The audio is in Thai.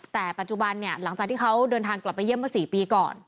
แต่ปัจจุบันเนี่ยหลังจากที่เขาเดินทางกลับไปเยี่ยมมา๔ปีก่อน